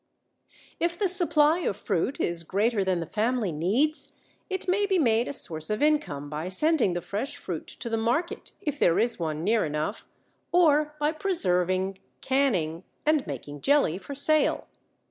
If the supply of fruit is greater than the family needs, it may be made a source of income by sending the fresh fruit to the market, if there is one near enough, or by preserving, canning, and making jelly for sale.